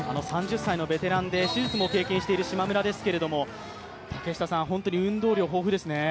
３０歳のベテランで手術も経験している島村ですけども、本当に運動量豊富ですね。